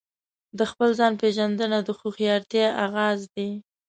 د خپل ځان پیژندنه د هوښیارتیا آغاز دی.